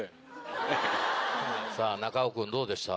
中尾君どうでした？